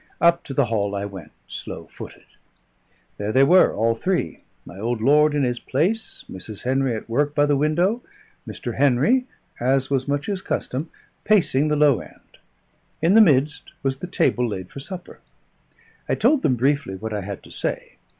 Up to the hall I went, slow footed. There they were, all three my old lord in his place, Mrs. Henry at work by the window, Mr. Henry (as was much his custom) pacing the low end. In the midst was the table laid for supper. I told them briefly what I had to say.